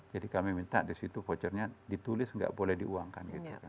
jadi kami minta di situ vouchernya ditulis nggak boleh diuangkan gitu kan